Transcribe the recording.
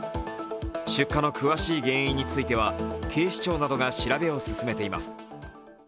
出火の詳しい原因については、警視庁などが調べを進めています。